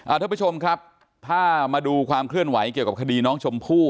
ท่านผู้ชมครับถ้ามาดูความเคลื่อนไหวเกี่ยวกับคดีน้องชมพู่